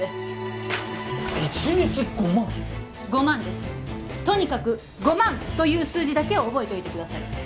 ５万ですとにかく５万という数字だけを覚えておいてください